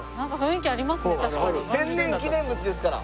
天然記念物ですから。